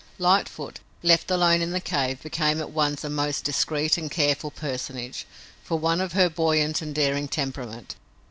Lightfoot, left alone in the cave, became at once a most discreet and careful personage, for one of her buoyant and daring temperament.